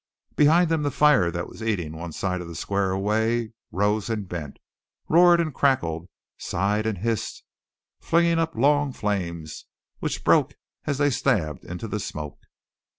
Behind them the fire that was eating one side of the square away rose and bent, roared and crackled, sighed and hissed, flinging up long flames which broke as they stabbed into the smoke.